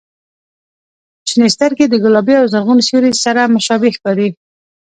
• شنې سترګې د ګلابي او زرغون سیوري سره مشابه ښکاري.